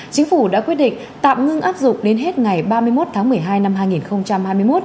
chính phủ đã quyết định tạm ngưng áp dụng đến hết ngày ba mươi một tháng một mươi hai năm hai nghìn hai mươi một